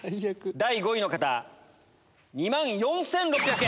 第５位の方２万４６００円。